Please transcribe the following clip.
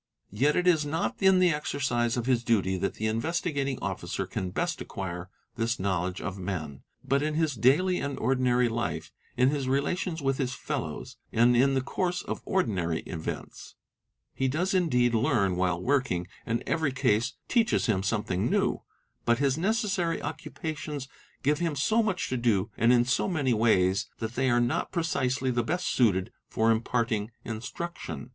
| Yet it is not in the exercise of his duty that the Investigating © Officer can best acquire this knowledge of men, but in his daily and ordinary life, in his relations with his fellows, and in the course of ordinary events. He does indeed learn while working and every case teaches him something new; but his necessary occupations give him so much to do and in so many ways that they are not precisely the —| best suited for imparting instruction.